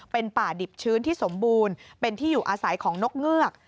เป็นป่าดิบชื้นที่สมบูรณ์เป็นที่อยู่อาศัยของนกเงือก